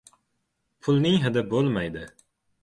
• Pulning hidi bo‘lmaydi.